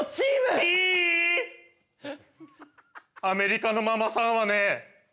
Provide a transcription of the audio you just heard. アメリカのママさんはね